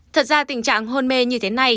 thật ra tình trạng hôn mê như thế này